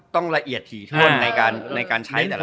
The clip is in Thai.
ต้องละเอียดถี่ช่วงในการใช้แต่ละตัว